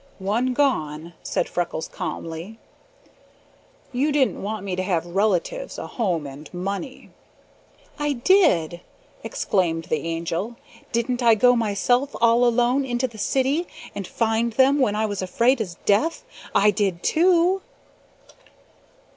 "One gone," said Freckles calmly. "You didn't want me to have relatives, a home, and money." "I did!" exclaimed the Angel. "Didn't I go myself, all alone, into the city, and find them when I was afraid as death? I did too!"